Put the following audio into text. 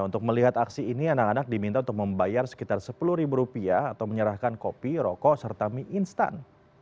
untuk melihat aksi ini anak anak diminta untuk membayar sekitar sepuluh ribu rupiah atau menyerahkan kopi rokok serta mie instan